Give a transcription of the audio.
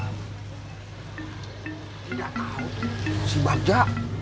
tidak tahu tuh si banja